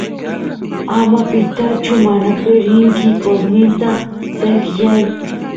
ama pitaychu manape rinki qosnita sekyay